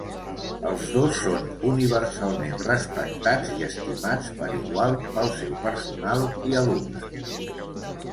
Els dos són universalment respectats i estimats per igual pel seu personal i alumnes.